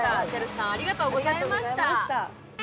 ＪＡＬさん、ありがとうございました。